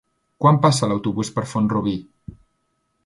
Quan passa l'autobús per Font-rubí?